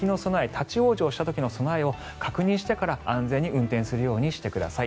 立ち往生した時の備えを確認してから安全に運転するようにしてください。